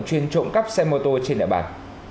chuyên trộm cắp xe mô tô trên địa bàn